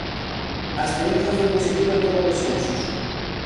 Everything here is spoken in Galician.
A experiencia foi positiva en todos os sensos.